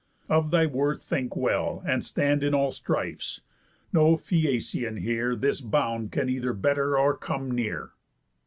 Of thy worth think well, And stand in all strifes. No Phæacian here This bound can either better or come near."